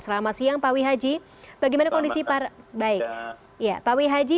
selamat siang pak wihaji